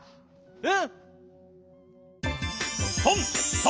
うん！